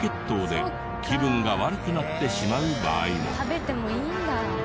食べてもいいんだ。